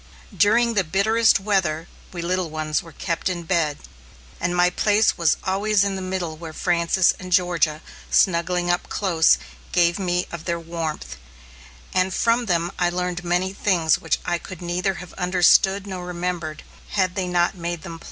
During the bitterest weather we little ones were kept in bed, and my place was always in the middle where Frances and Georgia, snuggling up close, gave me of their warmth, and from them I learned many things which I could neither have understood nor remembered had they not made them plain.